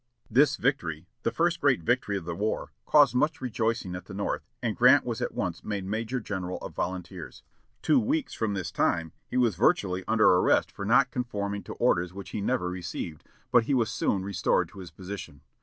This victory, the first great victory of the war, caused much rejoicing at the North, and Grant was at once made major general of volunteers. Two weeks from this time he was virtually under arrest for not conforming to orders which he never received, but he was soon restored to his position.